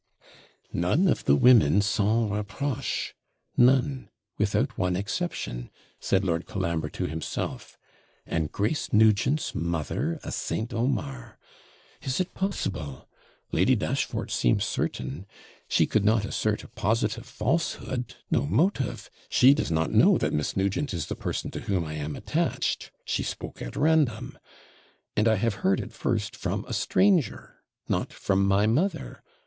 'None of the women SANS REPROCHE! None! without one exception,' said Lord Colambre to himself; 'and Grace Nugent's mother a St. Omar! Is it possible? Lady Dashfort seems certain. She could not assert a positive falsehood no motive. She does not know that Miss Nugent is the person to whom I am attached she spoke at random. And I have heard it first from a stranger not from my mother.